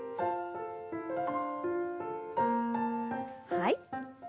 はい。